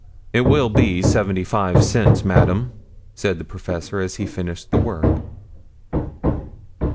"It will be seventy five cents, madam," said the professor as he finished the work.